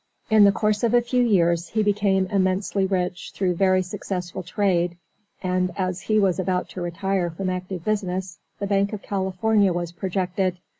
In the course of a few years he became immensely rich through very successful trade and, as he was about to retire from active business, the Bank of California was projected.